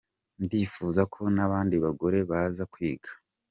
Ndifuza ko n’abandi bagore baza kwiga .